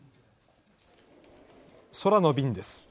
空の便です。